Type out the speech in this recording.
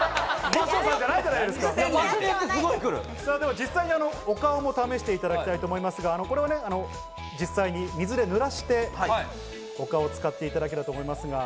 実際にお顔も試していただきたいと思いますが、これは実際に水で濡らして、お顔を使っていただければと思いますが。